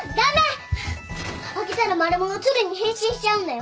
開けたらマルモが鶴に変身しちゃうんだよ。